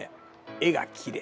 絵がきれい。